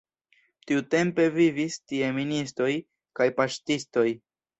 Tiutempe vivis tie ministoj kaj paŝtistoj.